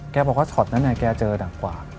แกบอกว่าช็อตนั้นเนี่ยแกเจอดักกว่า